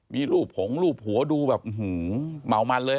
มีรูปหงรูปหัวดูแบบอื้อหือเหมามันเลย